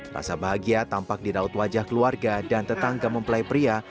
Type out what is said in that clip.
rasa bahagia tampak di raut wajah keluarga dan tetangga mempelai pria